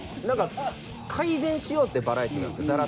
なんか改善しようってバラエティーなんですよ